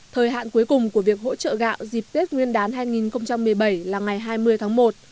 thời hạn cuối cùng của việc hỗ trợ gạo dịp tết nguyên đán hai nghìn một mươi bảy là ngày hai mươi tháng một